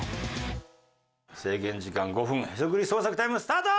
制限時間５分へそくり捜索タイムスタート！